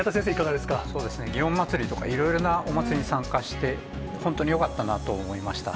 祇園祭とか、いろいろなお祭り参加して、本当によかったなと思いました。